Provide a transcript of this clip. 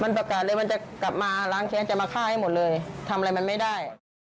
มันประกาศเลยมันจะกลับมาล้างแค้นจะมาฆ่าให้หมดเลยทำอะไรมันไม่ได้